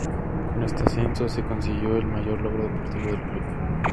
Con este ascenso, se consigue el mayor logro deportivo del club.